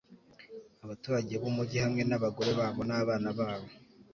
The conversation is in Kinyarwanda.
abaturage b'umugi, hamwe n'abagore babo n'abana babo